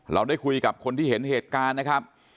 เราได้คุยกับคนที่เห็นเหตุการณ์นะครับ